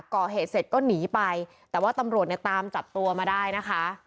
ก่อเหตุเสร็จก็หนีไปแต่ว่าตำรวจเนี่ยตามจับตัวมาได้นะคะ